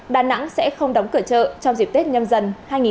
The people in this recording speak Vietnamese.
đà nẵng sẽ không đóng cửa chợ trong dịp tết nhâm dần hai nghìn hai mươi